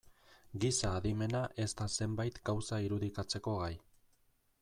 Giza adimena ez da zenbait gauza irudikatzeko gai.